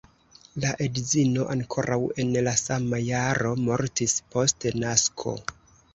La edzino ankoraŭ en la sama jaro mortis, post nasko.